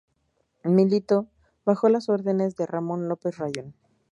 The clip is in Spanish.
Militó bajo las órdenes de Ramón López Rayón.